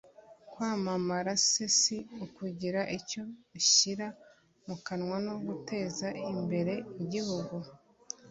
kwamamara se si ukugira icyo ushyira mu kanwa no guteza imbere igihugu